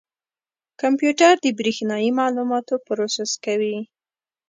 کمپیوټر د برېښنایي معلوماتو پروسس کوي.